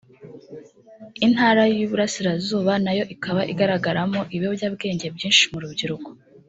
intara y’Uburasirazuba nayo ikaba igaragaramo ibiyobyabwenge byinshi mu rubyiruko